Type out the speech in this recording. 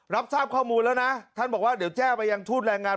รับทราบข้อมูลแล้วนะท่านบอกว่าเดี๋ยวแจ้งไปยังทูตแรงงาน